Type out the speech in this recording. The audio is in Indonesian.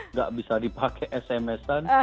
nggak bisa dipakai sms an